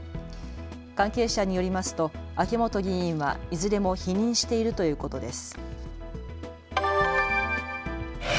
関係者によりますと秋本議員はいずれも否認しているということです。